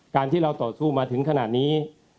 การที่เราต่อสู้มาถึงขนาดนี้